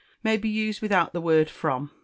may be used without the word from.